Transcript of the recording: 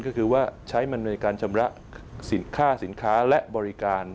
ก็คือว่าใช้มันในการชำระค่าสินค้าและบริการ